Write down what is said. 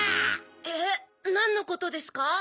えっなんのことですか？